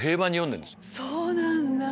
そうなんだ！